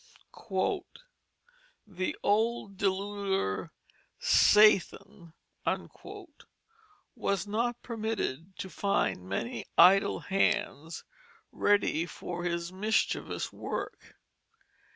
"The old deluder Sathan" was not permitted to find many idle hands ready for his mischievous work.